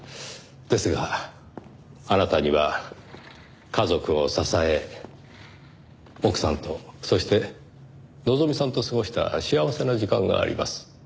ですがあなたには家族を支え奥さんとそしてのぞみさんと過ごした幸せな時間があります。